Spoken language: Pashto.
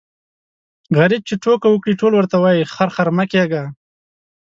غريب چي ټوکه وکړي ټول ورته وايي خر خر مه کېږه.